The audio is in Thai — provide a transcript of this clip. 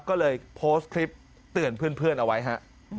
ก็เลยโพสต์คลิปเตือนเพื่อนเอาไว้ฮะ